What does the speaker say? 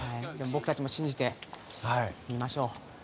僕たちも信じて見ましょう。